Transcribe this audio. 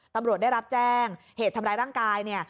ตำรวจได้รับแจ้งเหตุทำร้ายร่างกายเนี่ย